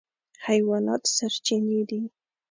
حیوانات سرچینې دي.